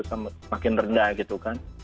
semakin rendah gitu kang